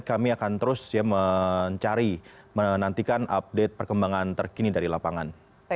kami akan terus mencari menantikan update perkembangan terkini dari lapangan